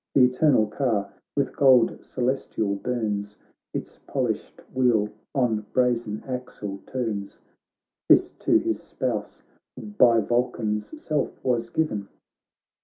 Th' eternal car with gold celestial burns. Its polished wheel on brazen axle turns : This to his spouse by Vulcan's self was given.